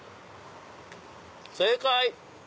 正解！